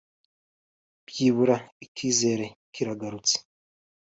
byibura ikizere kiragarutse